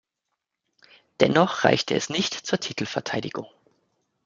Dennoch reichte dies nicht zur Titelverteidigung.